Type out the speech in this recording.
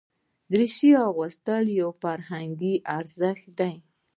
دریشي اغوستل یو فرهنګي ارزښت دی.